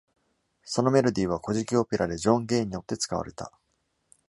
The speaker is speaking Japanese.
そのメロディーは「乞食オペラ」でジョン・ゲイによって使われた。